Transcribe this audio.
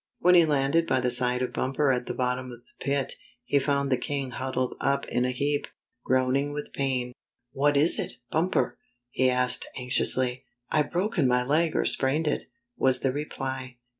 When he landed by the side of Bumper at the bottom of the pit, he found the king huddled up in a heap, groaning with pain. "What is it. Bumper?" he asked anxiously. "I've broken my leg or sprained it," was the reply.